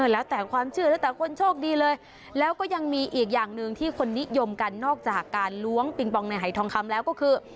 แล้วแต่ความเชื่อแล้วแต่คนโชคดีเลยแล้วก็ยังมีอีกอย่างหนึ่งที่คนนิยมกันนอกจากการล้วงปิงปองในหายทองคำแล้วก็คือ